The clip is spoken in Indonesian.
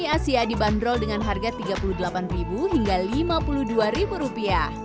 asia dibanderol dengan harga rp tiga puluh delapan hingga rp lima puluh dua